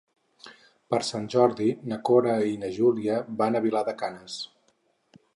Per Sant Jordi na Cora i na Júlia van a Vilar de Canes.